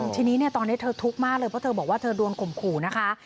ทีนี้ตอนนี้เธอทุกข์มากเลยเพราะเธอบอกว่าเธอโดนข่มขู่นะคะ